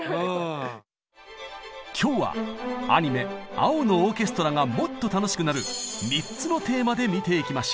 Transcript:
今日はアニメ「青のオーケストラ」がもっと楽しくなる３つのテーマで見ていきましょう！